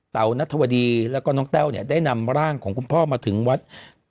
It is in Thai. นัทวดีแล้วก็น้องแต้วเนี่ยได้นำร่างของคุณพ่อมาถึงวัด